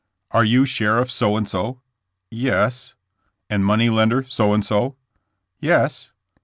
Are you sheriff so and so?" Yes." And money lender so and so?'* '^Yes."